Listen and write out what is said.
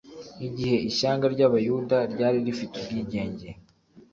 Igihe ishyanga ry'abayuda ryari rifite ubwigenge,